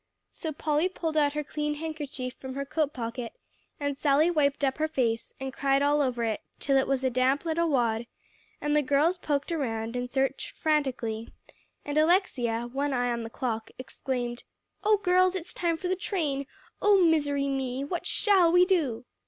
So Polly pulled out her clean handkerchief from her coat pocket, and Sally wiped up her face, and cried all over it, till it was a damp little wad; and the girls poked around, and searched frantically, and Alexia, one eye on the clock, exclaimed, "Oh, girls, it's time for the train. Oh misery me! what shall we do?"